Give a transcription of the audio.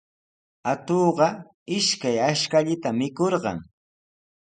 Atuqqa ishkay ashkallaata mikurqan.